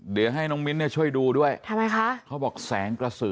เดี๋ยวให้น้องมิ้นเนี่ยช่วยดูด้วยทำไมคะเขาบอกแสงกระสือ